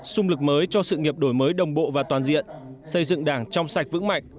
xung lực mới cho sự nghiệp đổi mới đồng bộ và toàn diện xây dựng đảng trong sạch vững mạnh